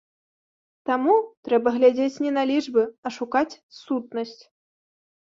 Таму трэба глядзець не на лічбы, а шукаць сутнасць.